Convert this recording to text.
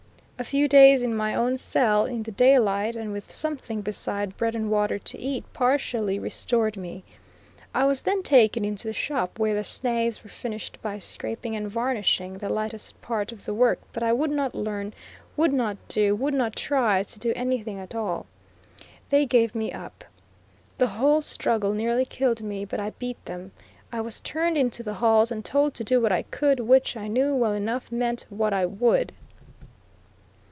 A few days in my own cell, in the daylight, and with something beside bread and water to eat, partially restored me. I was then taken into the shop where the snaths were finished by scraping and varnishing, the lightest part of the work, but I would not learn, would not do, would not try to do anything at all. They gave me up. The whole struggle nearly killed me, but I beat them. I was turned into the halls and told to do what I could, which, I knew well enough, meant what I would.